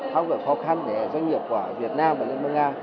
tham khảo khó khăn để doanh nghiệp của việt nam và liên bang nga